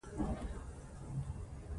وادي د افغانستان د صنعت لپاره مواد برابروي.